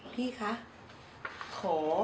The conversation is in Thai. พี่คะขอ